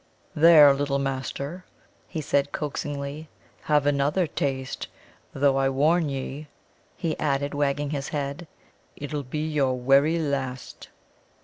"There, little master," he said coaxingly, "have another taste; though I warn ye," he added, wagging his head, "it'll be your werry last."